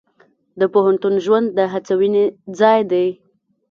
د پوهنتون ژوند د هڅونې ځای دی.